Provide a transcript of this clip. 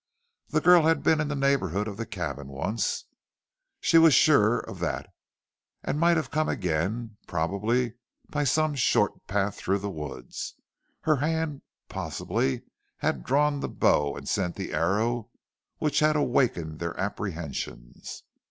The girl had been in the neighbourhood of the cabin once, she was sure of that, and might have come again, probably by some short path through the woods, her hand, possibly, had drawn the bow and sent the arrow which had awakened their apprehensions.